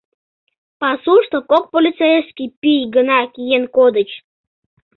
Пасушто кок полицейский пий гына киен кодыч.